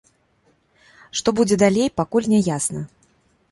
Што будзе далей, пакуль не ясна.